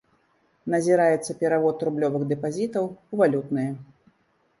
Назіраецца перавод рублёвых дэпазітаў у валютныя.